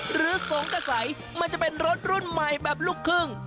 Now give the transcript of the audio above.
หรือส่งก็ใส่มันจะเป็นรถรุ่นใหม่แบบลูกครึ่ง